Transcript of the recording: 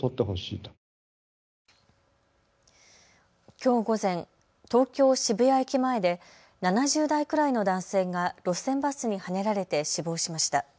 きょう午前、東京渋谷駅前で７０代くらいの男性が路線バスにはねられて死亡しました。